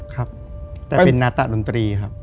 ครับแต่เป็นนาตะดนตรีครับ